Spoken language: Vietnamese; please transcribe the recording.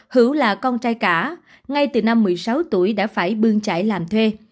hữu là con trai cả ngay từ năm một mươi sáu tuổi đã phải bương chạy làm thuê